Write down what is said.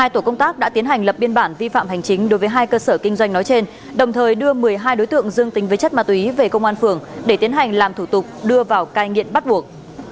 hai tổ công tác đã tiến hành lập biên bản vi phạm hành chính đối với hai cơ sở kinh doanh nói trên đồng thời đưa một mươi hai đối tượng dương tình với chất ma túy về công an phường để tiến hành làm thủ tục đưa vào cai nghiện bắt buộc